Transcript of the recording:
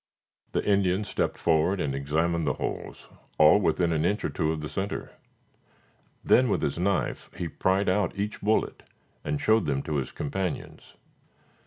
The Indian stepped forward and examined the holes, all within an inch or two of the center. Then with his knife he pried out each bullet, and showed them to his companions.